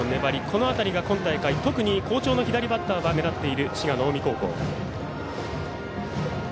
この辺りが、特に好調の左バッターが目立っている滋賀の近江高校。